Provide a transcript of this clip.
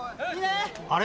あれ？